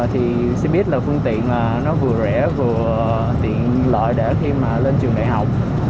thì xe buýt là phương tiện nó vừa rẻ vừa tiện lợi để khi mà lên trường đại học